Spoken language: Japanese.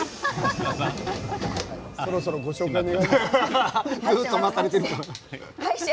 そろそろご紹介して。